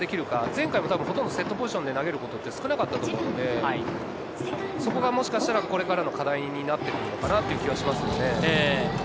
前回、ほとんどセットポジションで投げることが少なかったと思うので、もしかしたら、これからの課題になってくるかなと思いますね。